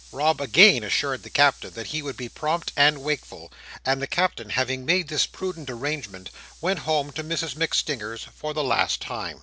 Rob again assured the Captain that he would be prompt and wakeful; and the Captain having made this prudent arrangement, went home to Mrs MacStinger's for the last time.